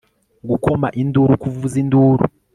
gukoma induru kuvuza induru